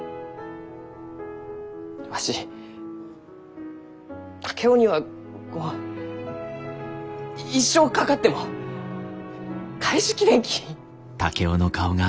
わし竹雄にはこう一生かかっても返し切れんき。